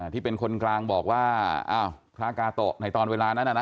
ที่เป็นคนกลางบอกว่าอ้าวพระกาโตะในตอนเวลานั้นน่ะนะ